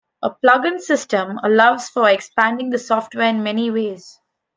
A plugin system allows for expanding the software in many ways.